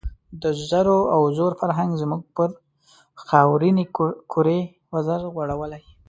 د زرو او زور فرهنګ زموږ پر خاورینې کُرې وزر غوړولی.